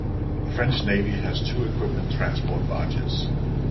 The French Navy has two equipment transport barges.